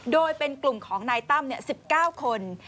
โดยเป็นกลุ่มของนายตั้ม๑๙คน